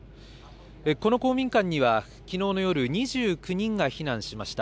この公民館には、きのうの夜、２９人が避難しました。